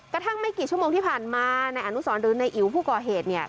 กระทั่งไม่กี่ชั่วโมงที่ผ่านมานายอนุสรหรือนายอิ๋วผู้ก่อเหตุเนี่ย